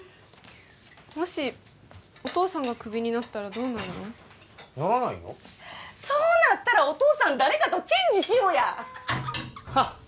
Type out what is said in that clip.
もしお父さんがクビになったらどうなるの？ならないよそうなったらお父さん誰かとチェンジしようやハッハッハッハッハッハッハッハッ